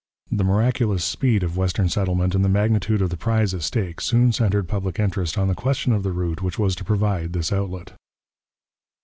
The miraculous speed of western settlement and the magnitude of the prize at stake soon centred public interest on the question of the route which was to provide this outlet.